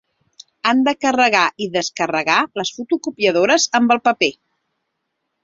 Han de carregar i descarregar les fotocopiadores amb el paper.